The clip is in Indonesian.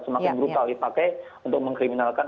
semakin brutal dipakai untuk mengkriminalkan